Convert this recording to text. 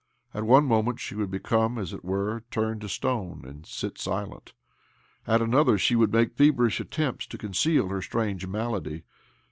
At one moment she iwould become, as it were, turned to stone, and sit silent ; at another she would make feverish attempts to conceal her strange malady.